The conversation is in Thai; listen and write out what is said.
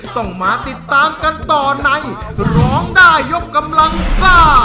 ต้องมาติดตามกันต่อในร้องได้ยกกำลังซ่า